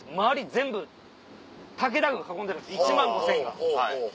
全部武田軍が囲んでる１万５０００が。